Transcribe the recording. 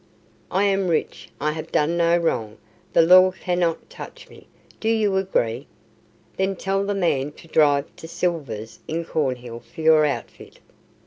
I am rich. I have done no wrong. The law cannot touch me Do you agree? Then tell the man to drive to Silver's in Cornhill for your outfit."